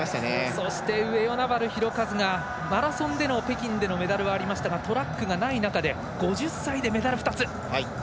そして上与那原寛和がマラソンでの北京でのメダルはありましたがトラックがない中で５０歳で、メダル２つ。